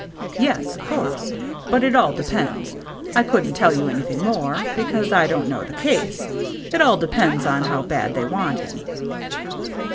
"Yes, of course. But it all depends. I couldn't tell you anything more, because I don't know the case. It all depends on how bad they want him."